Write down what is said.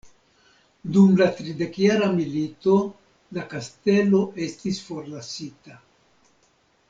Dum la tridekjara milito la kastelo estis forlasita.